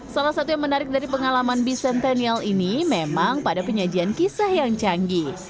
salah satu yang menarik dari pengalaman bison tenial ini memang pada penyajian kisah yang canggih